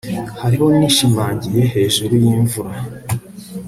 hariho nishimangiye hejuru yimvura